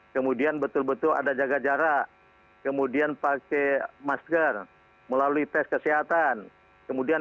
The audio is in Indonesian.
kemudian betul betul ada jaga jarak kemudian pakai masker melalui tes kesehatan kemudian